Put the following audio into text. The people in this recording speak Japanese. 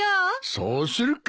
そうするか。